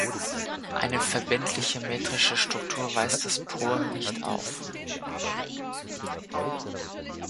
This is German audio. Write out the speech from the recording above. Eine verbindliche metrische Struktur weist das Poem nicht auf.